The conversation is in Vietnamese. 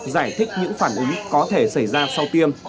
giải thích những phản ứng có thể xảy ra sau tiêm